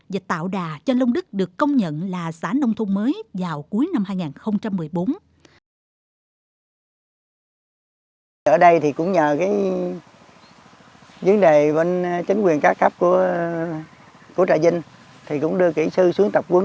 và tạo đà cho lông đức được công nhận là xã nông thôn